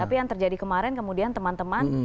tapi yang terjadi kemarin kemudian teman teman